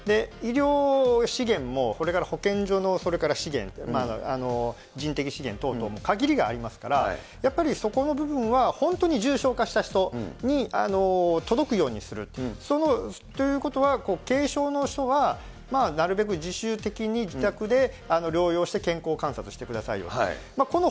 医療資源も、それから保健所の資源と、人的資源等々も限りがありますから、やっぱりそこの部分は本当に重症化した人に届くようにする、ということは軽症の人はなるべく自主的に自宅で療養して、健康観察してくださいよと。